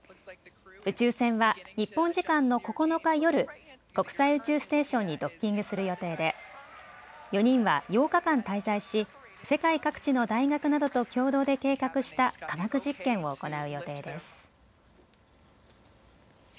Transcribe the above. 宇宙船は日本時間の９日夜、国際宇宙ステーションにドッキングする予定で４人は８日間滞在し世界各地の大学などと共同で計画した科学実験を行う予定です。